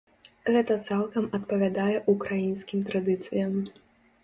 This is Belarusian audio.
Гэта цалкам адпавядае ўкраінскім традыцыям.